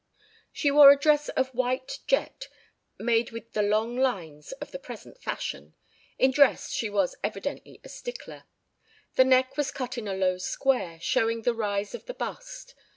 She wore a dress of white jet made with the long lines of the present fashion in dress she was evidently a stickler. The neck was cut in a low square, showing the rise of the bust.